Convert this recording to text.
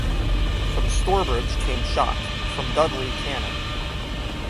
From Stourbridge came shot, from Dudley cannon.